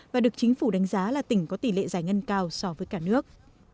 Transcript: và được chính phủ đánh giá là tỉnh có tỷ lệ giải ngân cao so với cả nước